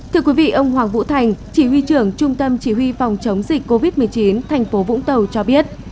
thưa quý vị ông hoàng vũ thành chỉ huy trưởng trung tâm chỉ huy phòng chống dịch covid một mươi chín thành phố vũng tàu cho biết